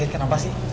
lagi kenapa sih